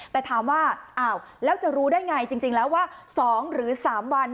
แต่ถามว่าอ้าวแล้วจะรู้ได้ไงจริงแล้วว่า๒หรือ๓วัน